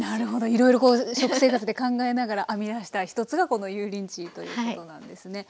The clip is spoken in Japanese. いろいろ食生活で考えながら編み出した一つがこの油淋鶏ということなんですね。